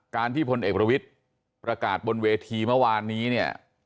ที่พลเอกประวิทย์ประกาศบนเวทีเมื่อวานนี้เนี่ย